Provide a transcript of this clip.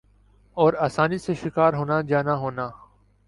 اور آسانی سے شکار ہونا جانا ہونا ۔